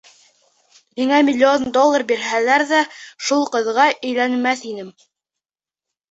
Миңә миллион доллар бирһәләр ҙә шул ҡыҙға өйләнмәҫ инем.